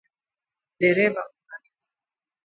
Dereva amefariki.